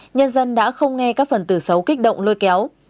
nhân dân đã không nghe các phần từ xấu kích động lôi kéo